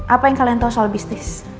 apa yang kalian tahu soal bisnis